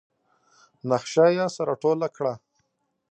نخشه يې سره ټوله کړه.